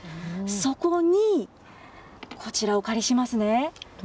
そこに、こちらお借りしますね。